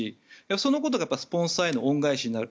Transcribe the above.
そのことがやっぱりスポンサーへの恩返しになる。